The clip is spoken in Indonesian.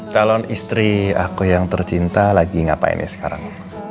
calon istri aku yang tercinta lagi ngapain ya sekarang